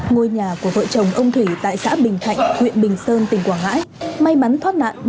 ngôi nhà của vợ chồng ông thủy tại xã bình thạnh huyện bình sơn tỉnh quảng ngãi may mắn thoát nạn